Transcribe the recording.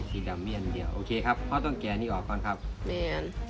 สีดำเมียนเดียวครับพอต้องแกะนี่ออกก่อนครับเนี้ย